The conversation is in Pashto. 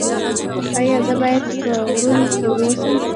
ایا زه باید په غرونو کې اوسم؟